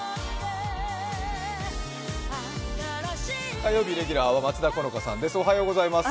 火曜日レギュラーは松田好花さんです。